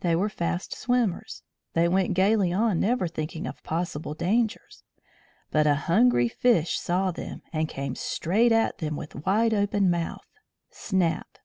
They were fast swimmers; they went gaily on, never thinking of possible dangers. But a hungry fish saw them, and came straight at them with wide open mouth. Snap!